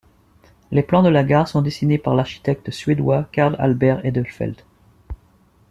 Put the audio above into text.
Les plans de la gare sont dessinés par l'architecte suédois Carl Albert Edelfelt.